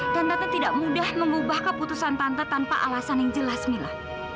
dan tante tidak mudah mengubah keputusan tante tanpa alasan yang jelas mila